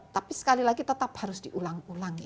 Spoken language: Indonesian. tapi sekali lagi tetap harus diulang ulangi